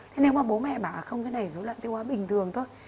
thế nếu mà bố mẹ bảo không cái này dối loạn tiêu hóa bình thường thôi